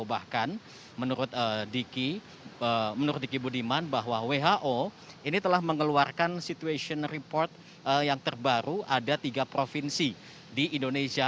bahkan menurut diki budiman bahwa who ini telah mengeluarkan situation report yang terbaru ada tiga provinsi di indonesia